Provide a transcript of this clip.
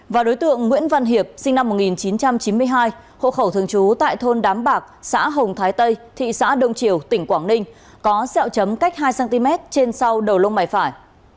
và đối tượng nguyễn văn hiệp sinh năm một nghìn chín trăm chín mươi hai hộ khẩu thường trú tại thôn đám bạc xã hồng thái tây thị xã đông triều tỉnh quảng ninh có xeo chấm cách hai cm trên sau đầu lông mày phải